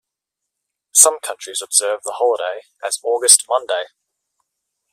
Some countries observe the holiday as "August Monday".